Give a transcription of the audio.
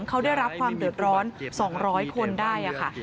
เขาได้รับความเดือดร้อน๒๐๐คนได้ค่ะ